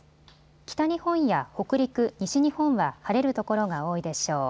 北日本や北陸、西日本は晴れる所が多いでしょう。